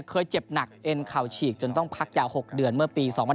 เคยเจ็บหนักเอ็นเข่าฉีกจนต้องพักยาว๖เดือนเมื่อปี๒๕๖๒